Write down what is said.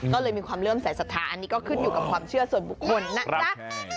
ก็เลยมีความเริ่มสายศรัทธาอันนี้ก็ขึ้นอยู่กับความเชื่อส่วนบุคคลนะจ๊ะ